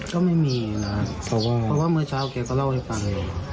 ก็ไม่มีนะครับเพราะว่าเมื่อเช้าแกก็เล่าให้ฟัง